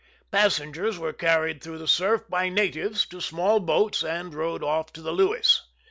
Passengers were carried through the surf by natives to small boats, and rowed off to the Lewis.